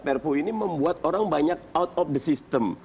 perpu ini membuat orang banyak out of the system